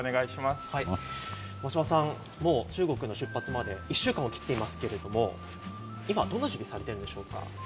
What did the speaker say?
もう中国の出発まで１週間を切っていますけれども今どんなふうにされているんでしょうか。